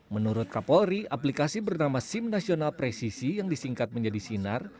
menurut kapolri aplikasi bernama sim nasional presisi yang disingkat menjadi sinar